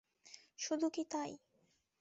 শুধু কি তাই!